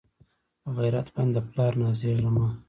پۀ غېرت باندې د پلار نازېږه مۀ